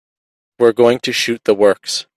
We're going to shoot the works.